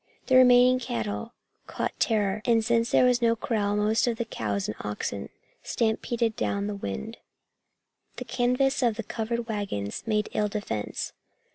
The remaining cattle caught terror, and since there was no corral, most of the cows and oxen stampeded down the wind. The canvas of the covered wagons made ill defense.